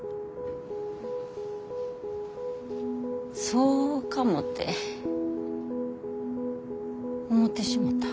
そうかもて思てしもた。